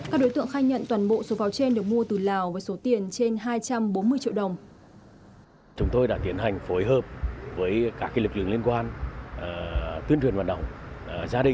các đối tượng khai nhận toàn bộ số pháo trên được mua từ lào với số tiền trên hai trăm bốn mươi triệu đồng